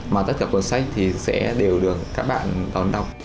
mà tất cả cuốn sách thì sẽ đều được các bạn đón đọc